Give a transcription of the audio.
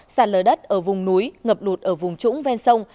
sạt lở đất ở vùng núi ngập lụt ở vùng trũng ven sông